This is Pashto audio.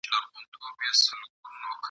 « موړ د وږي له احواله څه خبر دی..